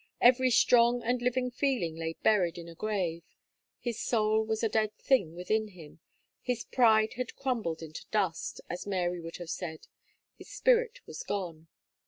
Every strong and living feeling lay buried in a grave. His soul was as a thing dead within him; his pride had crumbled into dust, as Mary would have said: his spirit was gone.